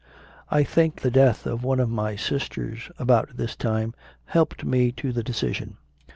I think the death of one of my sisters about this time helped me to the decision.